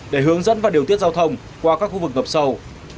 để hướng dẫn và điều tiết giao thông qua các khu vực ngập sâu